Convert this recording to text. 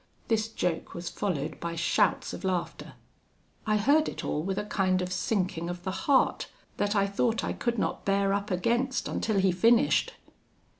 This joke was followed by shouts of laughter. "I heard it all with a kind of sinking of the heart that I thought I could not bear up against, until he finished.